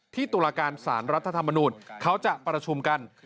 ตุลาการสารรัฐธรรมนูญเขาจะประชุมกัน